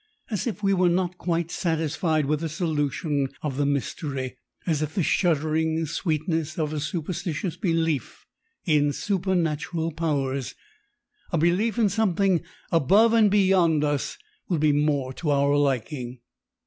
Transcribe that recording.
As if we were not quite satisfied with the solution of the mystery as if the shuddering sweetness of a superstitious belief in supernatural powers, a belief in a something above and beyond us would be more to our liking.